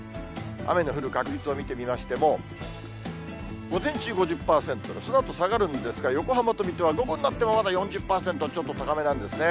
雨の降る確率を見てみましても、午前中５０％で、そのあと下がるんですが、横浜と水戸は午後になってもまだ４０％、ちょっと高めなんですね。